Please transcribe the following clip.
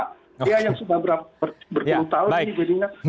dia yang sudah berjutaan